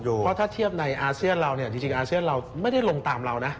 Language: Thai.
เพราะถ้าเทียบในอาเซียนเราเนี่ยจริงอาเซียนเราไม่ได้ลงตามเรานะ